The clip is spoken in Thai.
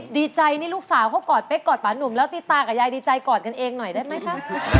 ดีใจนี่ลูกสาวเขากอดเป๊กกอดป่านุ่มแล้วตีตากับยายดีใจกอดกันเองหน่อยได้ไหมคะ